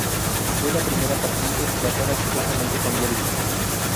Fue la primera paciente tratada exitosamente con diálisis.